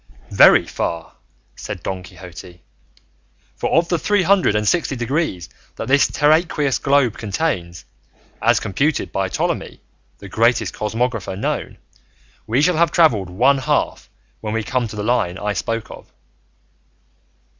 "Very far," said Don Quixote, "for of the three hundred and sixty degrees that this terraqueous globe contains, as computed by Ptolemy, the greatest cosmographer known, we shall have travelled one half when we come to the line I spoke of."